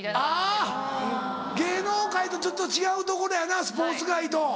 あぁ芸能界とちょっと違うところやなスポーツ界と。